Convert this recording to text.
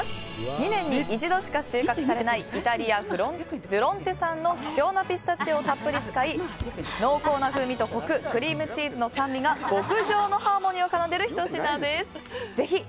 ２年に一度しか収穫されないイタリア・ブロンテ産の希少なピスタチオをたっぷり使い濃厚な風味とコククリームチーズの酸味が極上のハーモニーを奏でるひと品です。